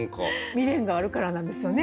未練があるからなんですよね。